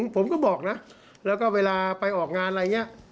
ผมก็บอกนะแล้วก็เวลาไปออกงานอะไรอย่างนี้